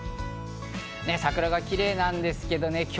桜がキレイなんですけどね。